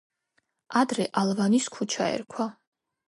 ადრე ალვანის ქუჩა ერქვა.